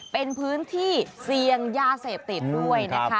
เป็นพื้นที่เซียงยาเสพติดด้วย